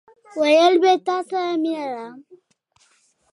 ويل به يې له تاسره مينه لرم!